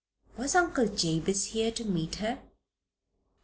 Was Uncle Jabez here to meet her?